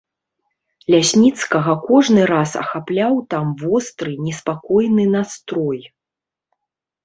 Лясніцкага кожны раз ахапляў там востры неспакойны настрой.